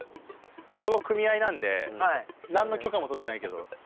そこ組合なんで何の許可も取ってないけど。